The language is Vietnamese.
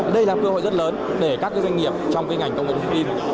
đây là cơ hội rất lớn để các doanh nghiệp trong cái ngành công nghệ phim